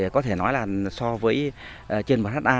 có thể nói là so với trên bán hát a